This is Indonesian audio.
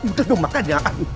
udah dong makan ya